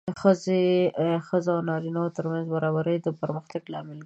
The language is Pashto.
د ښځو او نارینه وو ترمنځ برابري د پرمختګ لامل ګرځي.